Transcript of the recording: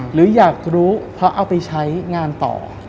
หรืออยากรู้เพราะเอาไปใช้งานต่อ